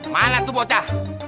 mana tuh bocah